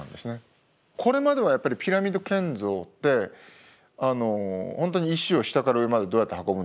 これまではやっぱりピラミッド建造って本当に石を下から上までどうやって運ぶのか。